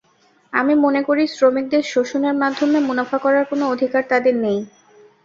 আমি মনে করি, শ্রমিকদের শোষণের মাধ্যমে মুনাফা করার কোনো অধিকার তাঁদের নেই।